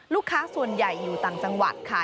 ลูกค้าส่วนใหญ่อยู่ต่างจังหวัดค่ะ